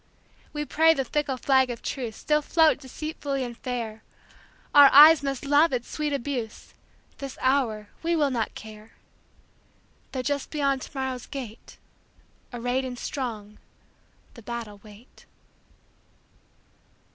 We pray the fickle flag of truceStill float deceitfully and fair; Our eyes must love its sweet abuse; This hour we will not care, Though just beyond to morrow's gate, Arrayed and strong, the battle wait.